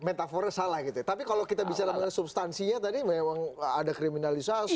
metafornya salah gitu ya tapi kalau kita bicara mengenai substansinya tadi memang ada kriminalisasi